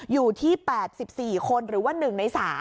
อยู่ที่๘๔คนหรือว่า๑ใน๓